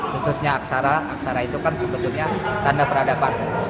khususnya aksara aksara itu kan sebetulnya tanda peradaban